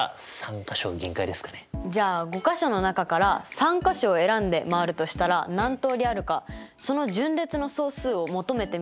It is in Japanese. じゃあ５か所の中から３か所を選んで周るとしたら何通りあるかその順列の総数を求めてみませんか？